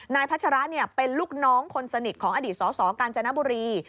พัชระเป็นลูกน้องคนสนิทของอดีตสสกาญจนบุรี